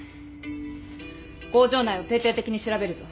工場内を徹底的に調べるぞ。